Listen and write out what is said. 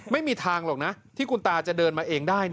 ไม่มีทางหรอกนะที่คุณตาจะเดินมาเองได้